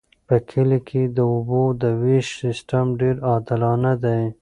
په کلي کې د اوبو د ویش سیستم ډیر عادلانه دی.